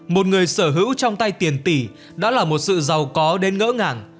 một người sở hữu trong tay tiền tỷ đã là một sự giàu có đến ngỡ ngàng